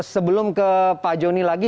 sebelum ke pak joni lagi